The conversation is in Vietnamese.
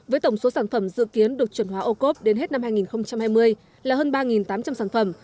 với tổng số sản phẩm dự kiến được chuẩn hóa ô cốp đến hết năm hai nghìn hai mươi là hơn ba tám trăm linh sản phẩm